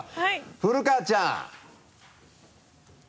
古川ちゃん。